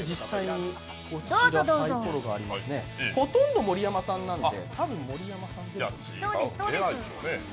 ほとんど盛山さんなので。